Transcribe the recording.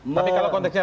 tapi kalau konteksnya